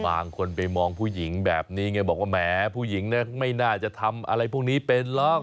บางคนไปมองผู้หญิงแบบนี้ไงบอกว่าแหมผู้หญิงไม่น่าจะทำอะไรพวกนี้เป็นหรอก